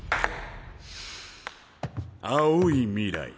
青い未来